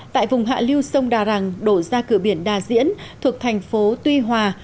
tại vùng hạ lưu sông đà rằng đổ ra cửa biển đà diễn thuộc thành phố tuy hòa